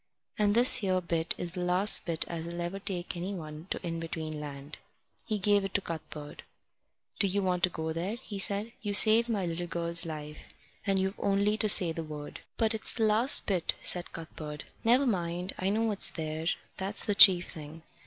And this here bit is the last bit as'll ever take anyone to In between Land." He gave it to Cuthbert. "Do you want to go there?" he said. "You've saved my little girl's life, and you've only to say the word." "But it's the last bit," said Cuthbert. "Never mind. I know what's there. That's the chief thing."